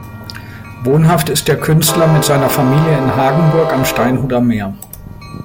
Wohnhaft ist der Künstler mit seiner Familie in Hagenburg am Steinhuder Meer.